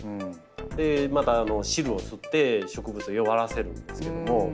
また汁を吸って植物を弱らせるんですけども。